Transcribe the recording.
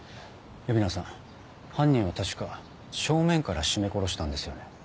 蝦名さん犯人は確か正面から絞め殺したんですよね？